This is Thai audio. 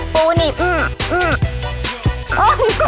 ปูหนีบ